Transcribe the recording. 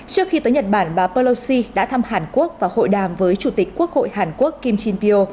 trước khi tới nhật bản bà pelosi đã thăm hàn quốc và hội đàm với chủ tịch quốc hội hàn quốc kim jin pio